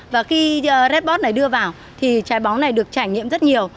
và khi redbot này đưa vào thì trái bóng này được trải nghiệm rất nhiều